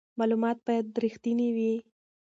معلومات باید رښتیني وي.